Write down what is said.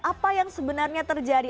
apa yang sebenarnya terjadi